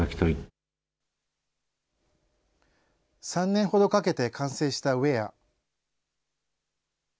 ３年ほどかけて完成したウエア。